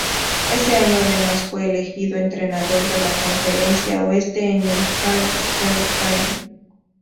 Ese año además fue elegido entrenador de la Conferencia Oeste en el All-Star Game.